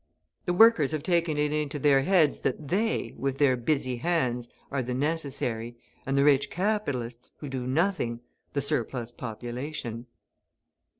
The workers have taken it into their heads that they, with their busy hands, are the necessary, and the rich capitalists, who do nothing, the surplus population.